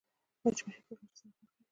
مچمچۍ په ګډه سره کار کوي